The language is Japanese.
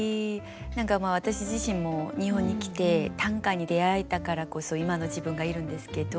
何か私自身も日本に来て短歌に出会えたからこそ今の自分がいるんですけど。